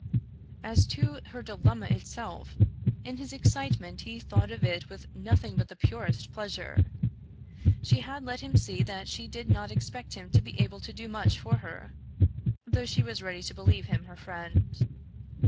As to her dilemma itself, in his excitement he thought of it with nothing but the purest pleasure! She had let him see that she did not expect him to be able to do much for her, though she was ready to believe him her friend.